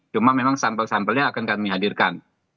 cuma memang sampel sampelnya akan kami hadirkan